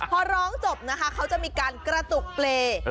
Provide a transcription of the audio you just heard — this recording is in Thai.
พอร้องจบนะคะเขาจะมีการกระตุกเปรย์